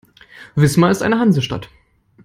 Wismar ist eine Hansestadt.